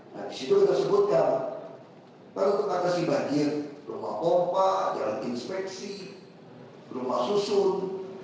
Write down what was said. nah disitu tersebutkan baru kita kasih bagian rumah pompa jalan inspeksi rumah susun